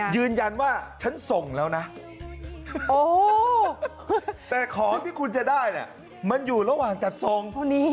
ยืนยันว่าฉันส่งแล้วนะโอ้แต่ของที่คุณจะได้เนี่ยมันอยู่ระหว่างจัดส่ง